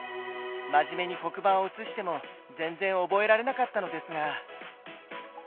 真面目に黒板を写しても全然覚えられなかったのですが。